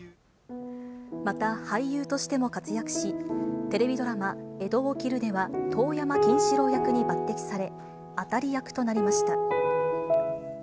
また俳優としても活躍し、テレビドラマ、江戸を斬るでは、遠山金四郎役に抜てきされ、当たり役となりました。